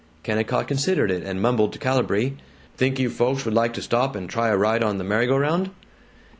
Kennicott considered it, and mumbled to Calibree, "Think you folks would like to stop and try a ride on the merry go round?"